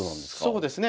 そうですね。